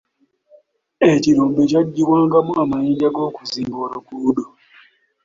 Ekirombe kyaggybwangamu amayinja g'okuzimba oluguudo.